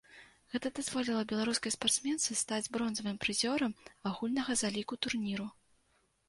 Гэта дазволіла беларускай спартсменцы стаць бронзавым прызёрам агульнага заліку турніру.